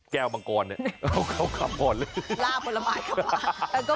แก้วบางกรเอาเขาขับผ่าน